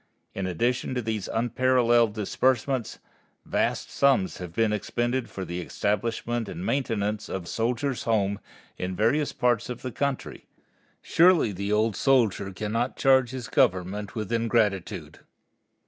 In addition to these unparalleled disbursements, vast sums have been expended for the establishment and maintenance of Soldiers' Homes in various parts of the country. Surely the old soldier cannot charge his Government with ingratitude.